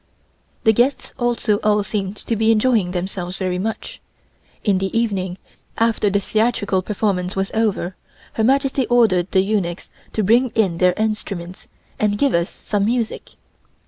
The guests also all seemed to be enjoying themselves very much. In the evening, after the theatrical performance was over, Her Majesty ordered the eunuchs to bring in their instruments and give us some music.